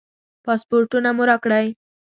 پاسپورټونه مو راکړئ.